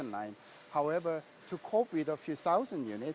namun untuk mengobati beberapa ribu unit